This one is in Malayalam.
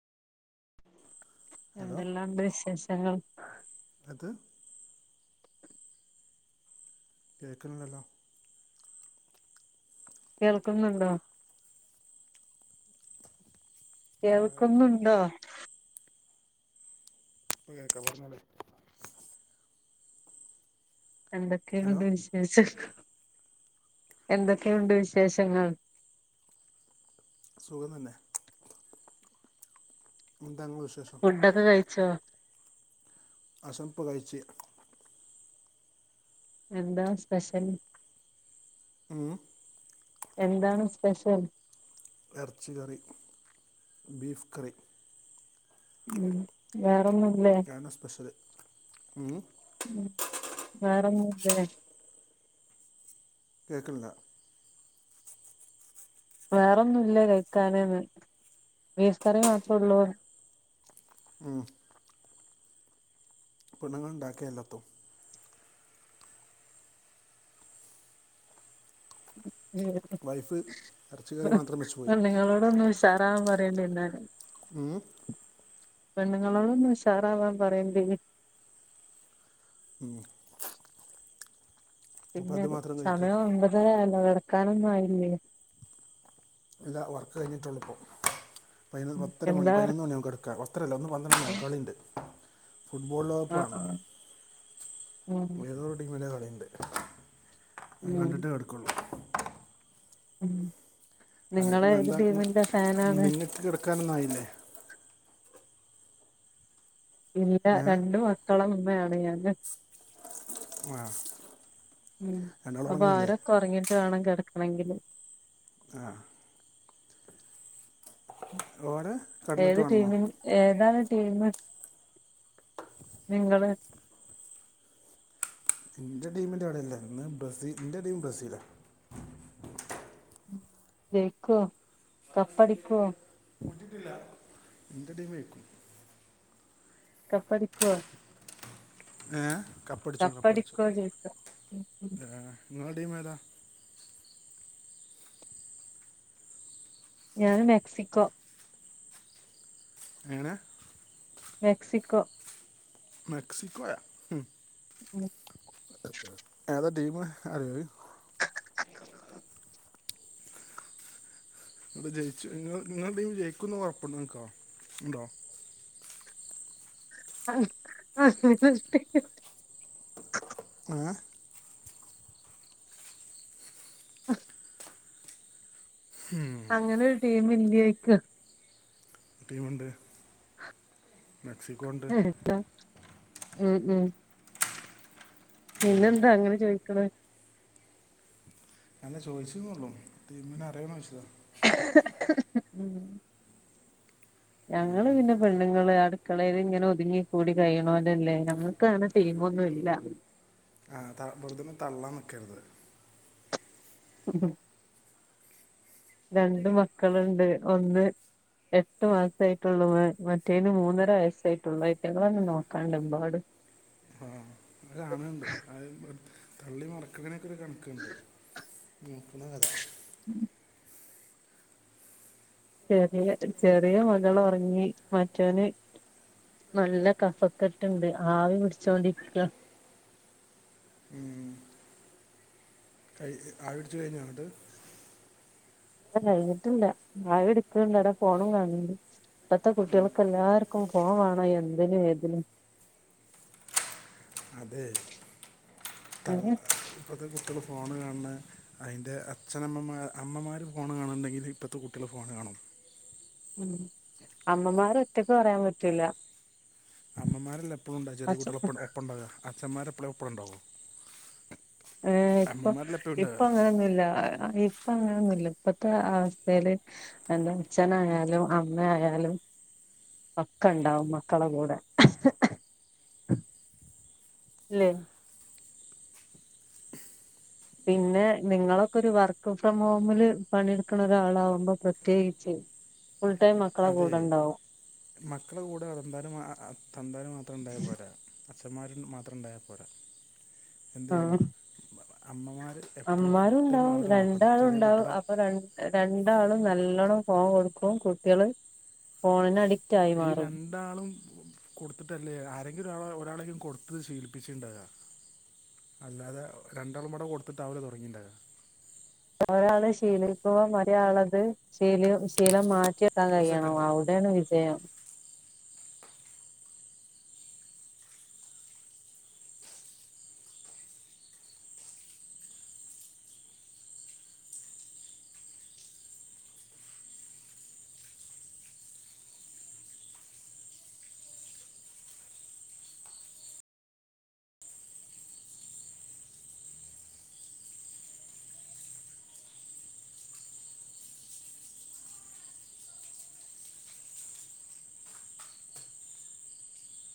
ഹലോ എന്തെല്ലാണ്ട് വിശേഷങ്ങൾ? അത് കേൾക്കണില്ലല്ലോ? കേൾക്കുന്നുണ്ടോ? ആഹ് കേൾക്കണ്ട് കേൾക്കൊന്നുണ്ടോ? ഇപ്പൊ കേൾക്കാ പറഞ്ഞോളി ഹലോ എന്തൊക്കെയുണ്ട് വിശേഷങ്ങൾ? എന്തൊക്കെയുണ്ട് വിശേഷങ്ങൾ? സുഖം തന്നെ. ന്താ ഇങ്ങളെ വിശേഷം. ഫുഡൊക്കെ കഴിച്ചോ? ഭക്ഷണം ഇപ്പ കഴ്ച്ച്. എന്താ സ്പെഷ്യൽ? ഉം എന്താണ് സ്പെഷ്യൽ? എറച്ചി കറി ബീഫ് കറി. ഉം വേറെൊന്നുംല്ലേ? അതാണ് സ്പെഷ്യല് ഉം ഉം വേറൊ ന്നുംല്ലേ? കേൾക്കിനില്ല. വേറെൊന്നുല്ലേ കഴിക്കാനന്ന് ബീഫ് കറി മാത്രേള്ളൂന്ന് ഉം പെണ്ണ്ങ്ങൾ ഉണ്ടാക്കിയല്ലാത്തും. [unintelligible] വൈഫ് ഇറച്ചി കറി മാത്രം വെച്ച് പോയി പെണ്ണ്ങ്ങളോട് ഒന്ന് ഉഷാറാവാൻ പറയേണ്ടിന്നാല്. ഉം പെണ്ണുങ്ങളോടൊന്ന് ഉഷാറാവാൻ പറയുണ്ടി. ഉം [inaudible] അപ്പം പിന്നെ അത് മാത്രം കഴിക്കുക സമയം ഒൻമ്പതരല്ലോ കിടക്കാനൊന്നും ആയില്ലേ? ഇല്ലാ വർക്ക് കഴിഞ്ഞിട്ടുള്ളു ഇപ്പൊ പതിനൊന്ന് പത്തരമണി എന്താ പതിനൊന്നു മണി ആവും കിടക്കാൻ പത്തരല്ല ഇന്ന് പന്ത്രണ്ട്ണിയാവും കളിണ്ട്. ഫുട്ബോള് ലോകക പ്പ് ആഹ് കാണണം ആഹ് ഉം ഏതോരു ടീമിന്റകളിയുണ്ട്. അത് ഉം കണ്ടിട്ടേ കെടക്കോള്ളൂ. ഉം അ നിങ്ങള് ഏത് ങഎന്താ ടീമിന്റെ ന്ന് ഫാനാണ് നിങ്ങൾക്ക് കിടക്കാനൊന്നായില്ലേ? ഇല്ല ഏ രണ്ടു മക്കളു മ്മയാണ് ഞാന്. മാഹ്. ഉം അപ്പൊ അവരൊക്കെ ഒറങ്ങിട്ട് വേണം കെടക്കണെങ്കില്. ആഹ്. ഓരെ കടന്നിട്ട് ഏത് വേണമെന്നോ ടീമേൻ. ഏതാണ് ടീം നിങ്ങള്? ഇൻ്റെ ടീമിന്റെ ആടെയല്ല ഇന്ന് ബ്രസീൽ ന്റെ ടീം ബ്രസീലാ. ജൈക്കോ കപ്പടിക്കോ? ട്ടില്ല എന്റെടീം യ്ക്കും. കപ്പടിക്കോ? ഏഹ് കപ്പടിച്ചും കപ്പടിച്ചും കപ്പടിക്കോ ചോയിക്ക ഏഹ് ഇങ്ങളെ ടീമേതാ? ഞാന് മെക്സിക്കോ. എങ്ങനെ? മെക്സിക്കോ. മെക്സിക്കോയ ഹ്മ് ഏതാ ടീം അറിയോ അത് അപ്പ ജൈച്ച് ഇങ്ങള് ഇങ്ങളെ ടീം ജയ്ക്കുംന്ന് ഒറപ്പ്നിക്കോ ഉണ്ടോ? ആഹ് അഹ് ങ്ങളെ ടീ ഏഹ് അഹ്. അങ്ങനൊര് ടീമ് ഇൻ്റെക്ക്. ടീമ്ണ്ട് എഹ് ത ഉം ഉം. പിന്നെന്താ അങ്ങനെ ചോയിക്കണ് അല്ല ചോയ്ച്ച്ന്നുള്ളൂ ടീമ്നെ അറ്യോന്നോയ്ച്ചതാ. ഉം ഞങ്ങള് പിന്നെ പെണ്ണ്ങ്ങള് അടുക്കളെല്ങ്ങനെ ഒതുങ്ങി കൂടി കഴിണോലല്ലേ ഞങ്ങക്കനെ. ടീമൊന്നുംഇല്ല. ആഹ് താ വെറുതൊന്ന് തള്ളാൻ നിക്കരുത്. ഉം. രണ്ട് മക്കള്ണ്ട് ഒന്ന്. എട്ട് മാസായിട്ടൊള്ളു മ മറ്റേന് മൂന്നര വയസ്സായിട്ടൊള്ളു ഐറ്റ്ങ്ങളെന്നെ നോക്കാണ്ടെമ്പാട്. ഒരാണ് ണ്ട് അഹ്. [unintelligible] തള്ളി മറക്കണി ഒക്കെ ഒര് കണക്ക്ണ്ട് നോക്ക്ണതാ. ഉം. ചെറിയ ഒരു ചെറിയ മകൾ ഒറങ്ങി മറ്റോന്. നല്ല കഫക്കെട്ട്ണ്ട് ആവി പിടിച്ചോണ്ടിരിക്ക. ഉം. കൈ ആവിടിച്ച് കയിഞ്ഞാന്നിട്ട് ല്ല കയിഞ്ഞിട്ടില്ല ആവിട്ക്ക [unintelligible] ഫോണും കാണ് ഉണ്ട് ഇപ്പത്തെ കുട്ട്യാൾക്ക് എല്ലാർക്കും ഫോൺ വേണം എന്തിനും ഏതിനും. അതെ ത ഏ ഇപ്പോത്തെ കുട്ട്യാൾ ഫോണ് കാണണേ. അയ്ൻ്റെ അച്ഛനമ്മമാ അമ്മമാര് ഫോണ് കാണ്ണ്ണ്ടങ്കിൽ ഇപ്പത്തെ കുട്ട്യാൾ ഫോൺ കാണും. ഉം അമ്മമാരൊറ്റക്ക് പറയാൻ പറ്റൂല. അമ്മമാരെല്ലെ എപ്പളുണ്ടാ ചെറിയെ അച്ഛ കുട്ട്യാളെ ഒപ്പ ഒപ്പണ്ടാവ അച്ഛന്മാര് എപ്പളും ഒപ്പം ഇണ്ടാവോ? ഏഹ് ഇപ്പൊ ഇപ്പൊ അങ്ങനൊന്നുല്ല അഹ്. ഇപ്പ അങ്ങനൊന്നുല്ല ഇപ്പത്തെ അവസ്ഥേല്. എൻ്റെ അച്ഛനായാലും അമ്മായാലും. ഒക്കെണ്ടാവും മക്കളെ കൂടെ. ല്യേ. പിന്നെ നിങ്ങളൊക്കെ ഒരു വർക്ക് ഫ്രം ഹോമില് പണിയെടുക്കണ ഒരാളാവുമ്പോ പ്രത്യേയിച്ച്. ഫുൾടൈം മക്കളെ അതെ കൂടെണ്ടാവും. മക്കളെ കൂടെ തെന്താലും ആഹ് ആഹ് തന്താര് മാത്രം ഇണ്ടായാ പോരാ. അച്ഛന്മാരു മാത്രം ഉണ്ടായാൽ പോരാ. എന്ത് ചെയ്യണം അമ്മമാര് അമ്മാരുണ്ടാവും രണ്ടാളും ഉണ്ടാവും കുട്ടിയുടെ അപ്പൊ ര രണ്ടാള് നല്ലോണം ഫോൺ കൊടുക്കും. കുട്ടികള് ഫോണിനഡി ഈ രൺ രണ്ടാളും കൊടുത്തിട്ടല്ലേ, ആരെങ്കിലും ഒരാ ഒരാളങ്കിലും കൊടുത്ത് ശീലിപ്പിച്ചിട്ടുണ്ടാക അല്ലാതെ രണ്ടാളുമടെ കൊടുത്തിട്ടാവില്ല, തൊടങ്ങണ്ടെ ഒരാള് ശീലിപ്പൊ ഒരാളത് ശീലം ശീലം മാറ്റി വെക്കാൻ ഒരു കഴിയണം സെക്കൻഡ് ആവു അവിടെയാണ് വിജയം.